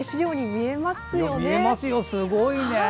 見えますよ、すごいですね。